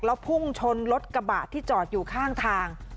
แล้วพุ่งชนรถกระบะที่จอดอยู่ข้างทาง